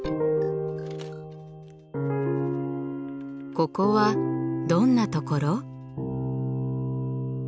ここはどんなところ？